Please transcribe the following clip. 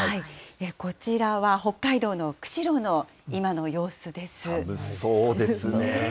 こちらは北海道の釧路の今の様子です。